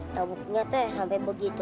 tau bukunya teh sampai begitu